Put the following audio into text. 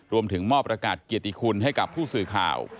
รวมถึงมอบประกาศเกียรติคุณให้กับผู้สื่อข่าว